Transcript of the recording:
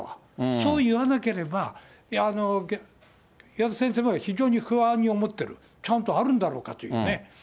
そう言わなければ、岩田先生も非常に不安に思ってる、ちゃんとあるんだろうかというね。